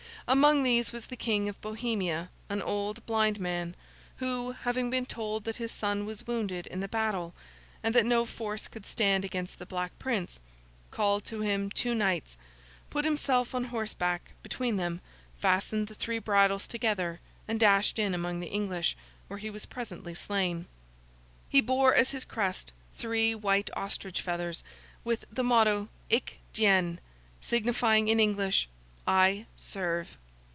Among these was the King of Bohemia, an old blind man; who, having been told that his son was wounded in the battle, and that no force could stand against the Black Prince, called to him two knights, put himself on horse back between them, fastened the three bridles together, and dashed in among the English, where he was presently slain. He bore as his crest three white ostrich feathers, with the motto Ich dien, signifying in English 'I serve.